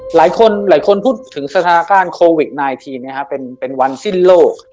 หลายคนหลายคนพูดถึงสถานการณ์โควิด๑๙เป็นวันสิ้นโลก